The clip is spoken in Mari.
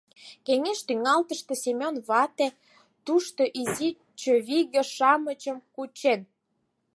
Кеҥеж тӱҥалтыште Семён вате тушто изи чывиге-шамычым кучен.